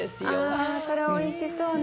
あそれおいしそうね。